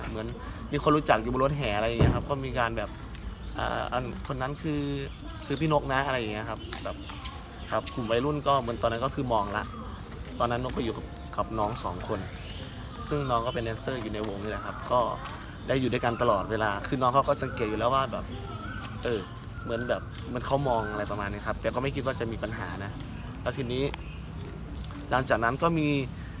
เหมือนมีคนรู้จักอยู่บนรถแห่อะไรอย่างเงี้ยครับก็มีการแบบคนนั้นคือพี่นกนะอะไรอย่างเงี้ยครับครับขุมวัยรุ่นก็เหมือนตอนนั้นก็คือมองละตอนนั้นก็อยู่กับน้องสองคนซึ่งน้องก็เป็นแนนเซอร์อยู่ในวงด้วยครับก็ได้อยู่ด้วยกันตลอดเวลาคือน้องเขาก็สังเกตอยู่แล้วว่าแบบเหมือนแบบมันเขามองอะไรประมาณเนี้ยครับแต่ก็ไม